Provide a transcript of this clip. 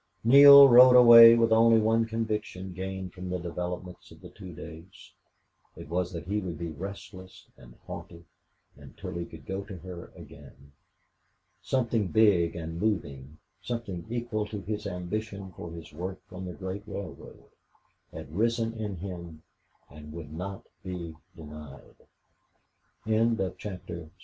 Neale rode away with only one conviction gained from the developments of the two days; it was that he would be restless and haunted until he could go to her again. Something big and moving something equal to his ambition for his work on the great railroad had risen in him and would not be denied. 7 Neale rode to Slingerlan